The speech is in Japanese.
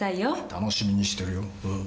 楽しみにしてるようん。